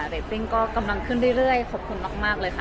เรตเต็งก็กำลังขึ้นเรื่อยเรื่อยขอบคุณมากมากเลยค่ะ